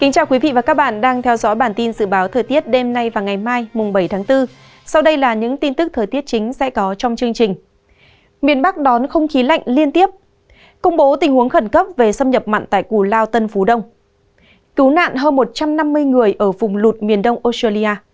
các bạn hãy đăng ký kênh để ủng hộ kênh của chúng mình nhé